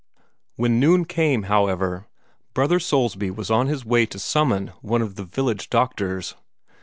When noon came, however, Brother Soulsby was on his way to summon one of the village doctors.